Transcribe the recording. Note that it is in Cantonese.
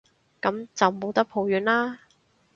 噉就冇得抱怨喇